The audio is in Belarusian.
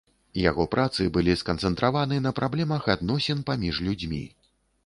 Яго працы былі сканцэнтраваны на праблемах адносін паміж людзьмі.